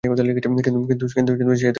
কিন্তু সে এতে উদ্বিগ্ন হয় না।